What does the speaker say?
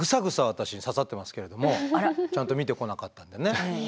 私に刺さってますけれどもちゃんと見てこなかったんでね。